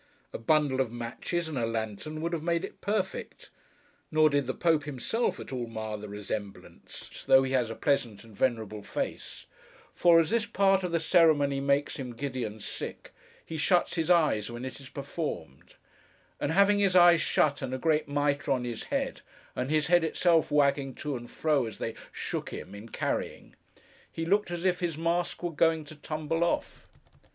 A bundle of matches and a lantern, would have made it perfect. Nor did the Pope, himself, at all mar the resemblance, though he has a pleasant and venerable face; for, as this part of the ceremony makes him giddy and sick, he shuts his eyes when it is performed: and having his eyes shut and a great mitre on his head, and his head itself wagging to and fro as they shook him in carrying, he looked as if his mask were going to tumble off.